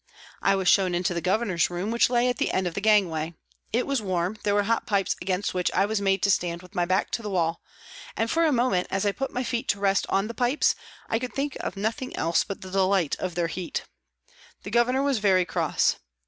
I was shown into the Governor's room, which lay at the end of the gangway. It was warm, there were hot pipes against which I was made to stand with my back to the wall, and for a moment, as I put my feet to rest on the pipes, I could think of nothing else but the delight of their heat. The Governor was very cross.